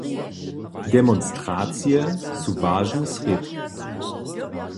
Demonstracije su wažny srědk.